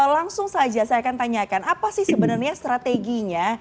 langsung saja saya akan tanyakan apa sih sebenarnya strateginya